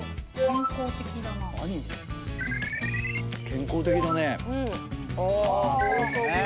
健康的だね。